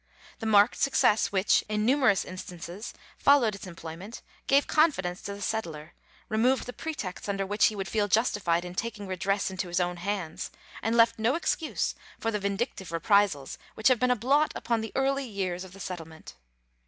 The marked success which, in numerous instances, followed its employment gave confidence to the settler, removed the pretexts under which he would feel justified in taking redress into his own hands, and left no excuse for the vindictive reprisals which have been a blot upon the early years of the settle ment.